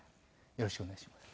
よろしくお願いします。